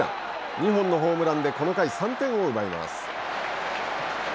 ２本のホームランでこの回３点を奪います。